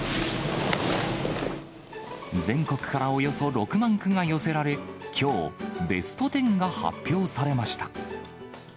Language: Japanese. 全国からおよそ６万句が寄せられ、きょう、ベスト１０が発表されました。